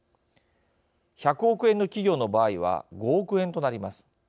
１００億円の企業の場合は５億円となります。